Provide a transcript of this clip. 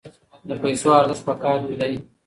د پیسو ارزښت په کار کې دی.